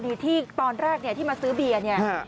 กรณีที่ตอนแรกที่มาซื้อเบียนี่